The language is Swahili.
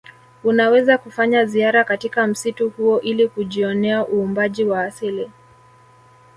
Unaweza kufanya ziara katika msitu huo ili kujionea uumbaji wa asili